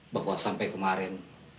bahwa sampai kemarin